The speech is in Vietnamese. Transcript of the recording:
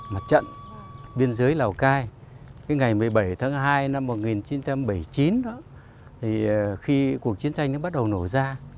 mặt trận biên giới lào cai ngày một mươi bảy tháng hai năm một nghìn chín trăm bảy mươi chín khi cuộc chiến tranh bắt đầu nổ ra